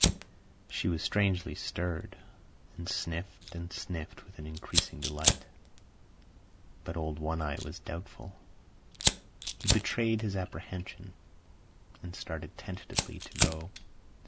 She was strangely stirred, and sniffed and sniffed with an increasing delight. But old One Eye was doubtful. He betrayed his apprehension, and started tentatively to go.